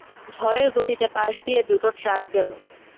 ঝড়ের গতিতে পাশ দিয়ে দুটো ট্রাক গেল।